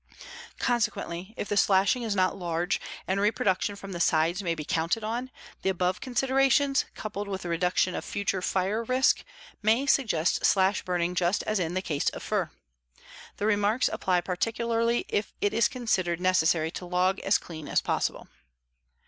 Consequently if the slashing is not large, and reproduction from the sides may be counted on, the above considerations, coupled with the reduction of future fire risk, may suggest slash burning just as in the case of fir. The remarks apply particularly if it is considered necessary to log as clean as possible.